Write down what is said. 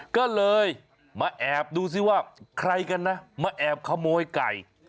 ก็เลยมาแอบดูซิว่าใครกันนะมาแอบขโมยไก่